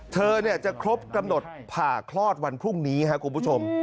เธอจะครบกำหนดผ่าคลอดวันพรุ่งนี้ครับคุณผู้ชม